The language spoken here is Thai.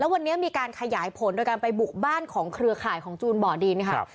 วันนี้มีการขยายผลโดยการไปบุกบ้านของเครือข่ายของจูนบ่อดินนะครับ